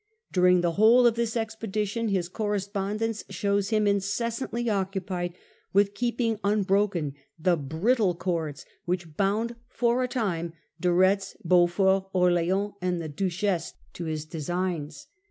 During the whole of this expedition, his correspondence shows him incessantly occupied with keeping unbroken the brittle cords which bound for a time De Retz, Beaufort, Orleans, and the Duchess to his designs.